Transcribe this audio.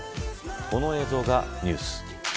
この映像がニュース。